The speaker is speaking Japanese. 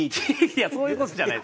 いやそういう事じゃない。